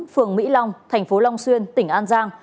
phường mỹ long thành phố long xuyên tỉnh an giang